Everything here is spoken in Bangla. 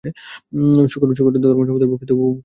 শূকর ধর্মসম্বন্ধীয় বক্তৃতা উপভোগ করিতে পারে না।